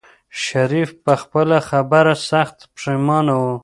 شريف په خپله خبره سخت پښېمانه و.